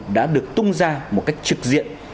đã được tung ra một cách trực diện